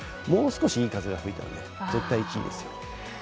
もう少し、いい風が吹いたら絶対１位ですよ。